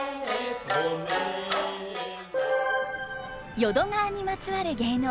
淀川にまつわる芸能